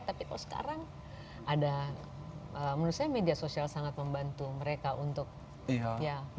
tapi kok sekarang ada menurut saya media sosial sangat membantu mereka untuk ya